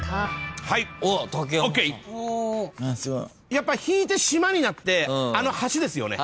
やっぱ引いて島になってあの橋ですよね。